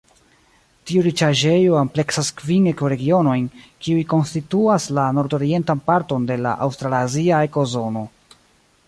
Tiu riĉaĵejo ampleksas kvin ekoregionojn kiuj konstituas la nordorientan parton de la aŭstralazia ekozono.